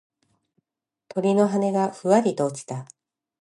鳥の羽がふわりと落ちた。